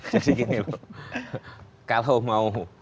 ya cek begini lho